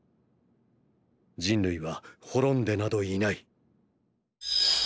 人類は滅んでなどいない」。